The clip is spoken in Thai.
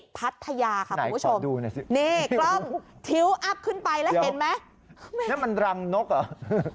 พัทยาค่ะคุณผู้ชมดูสินี่กล้องทิ้วอัพขึ้นไปแล้วเห็นไหมนั่นมันรังนกเหรอ